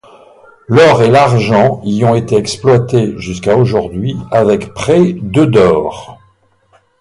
L'or et l'argent y ont été exploités jusqu'à aujourd'hui, avec près de d'or.